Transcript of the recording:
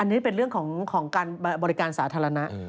อันนี้เป็นเรื่องของการบริการสาธารณะ